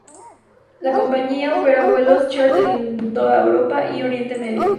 La compañía opera vuelos chárter en toda Europa y Oriente Medio.